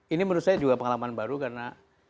ini menurut saya juga pengalaman baru karena